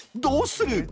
どうする？